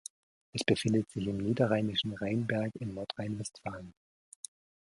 Es befindet sich im niederrheinischen Rheinberg in Nordrhein-Westfalen.